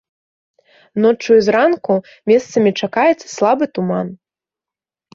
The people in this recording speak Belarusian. Ноччу і зранку месцамі чакаецца слабы туман.